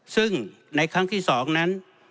ซึ่งในครั้งที่๒นั้น